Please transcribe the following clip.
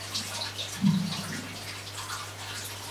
Taarifa kuhusu viazi lishe ni muhimu kutolewa bure